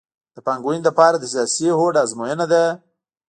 د پانګونې لپاره د سیاسي هوډ ازموینه ده